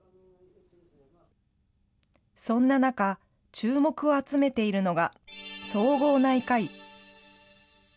そんな中、注目を集めているのが、総合内科医。